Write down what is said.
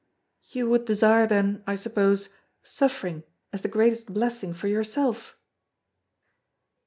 "You would desire, then, I suppose, suffering as the greatest blessing for yourself?"